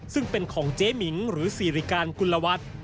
ซึ่งเป็นของจ๊มิ่งหรือศรีฤกานคุณลวัตต์